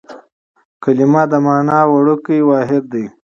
کلیمه د مانا وړوکی واحد دئ.